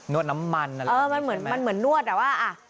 วดน้ำมันอะไรเออมันเหมือนมันเหมือนนวดอ่ะว่าอ่ะ